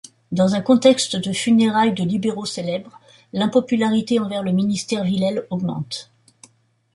Dans un contexte de funérailles de libéraux célèbres, l’impopularité envers le ministère Villèle augmente.